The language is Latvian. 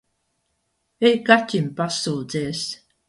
Ej, kaķim pasūdzies.